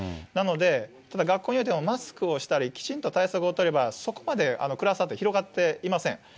なので、ただ学校によっても、マスクをしたり、きちんと対策を取れば、そこまでクラスターって、広がっていません。